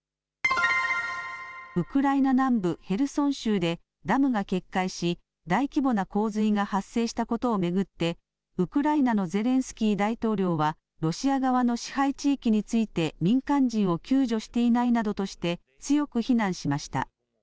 ウクライナ南部ヘルソン州でダムが決壊し大規模な洪水が発生したことを巡ってウクライナのゼレンスキー大統領はロシア側の支配地域について民間人を救助していないなどとして強く非難しました。